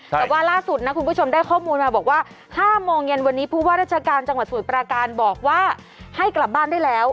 แต่ว่าล่าสุดนะคุณผู้ชมได้ข้อมูลมาบอกว่า๕โมงเย็นวันนี้ผู้ว่าราชการจังหวัดสมุทรปราการบอกว่าให้กลับบ้านได้แล้ว